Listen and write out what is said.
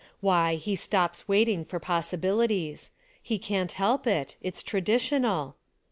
Why, he stops waiting for possibilities. He can't help it; 'it's traditional